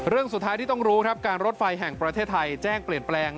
เรื่องสุดท้ายที่ต้องรู้ครับการรถไฟแห่งประเทศไทยแจ้งเปลี่ยนแปลง